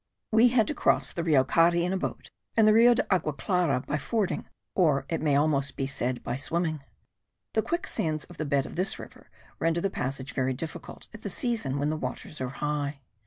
We had to cross the Rio Cari in a boat, and the Rio de agua clara, by fording, or, it may almost be said, by swimming. The quicksands of the bed of this river render the passage very difficult at the season when the waters are high.